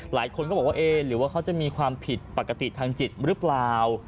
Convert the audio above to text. หลายคนก็บอกว่าเอ๊ะหรือว่าเขาจะมีความผิดปกติทางจิตหรือเปล่า